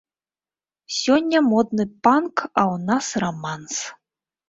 Сёння модны панк, а ў нас раманс.